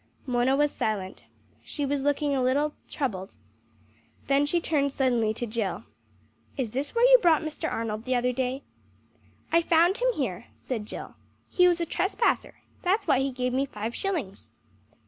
Mona was silent. She was looking a little troubled. Then she turned suddenly to Jill "Is this where you brought Mr. Arnold the other day?" "I found him here," said Jill. "He was a trespasser. That's why he gave me five shillings."